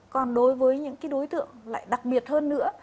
còn đối với những cái đối tượng lại đặc biệt hơn nữa